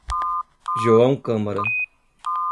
João Câmara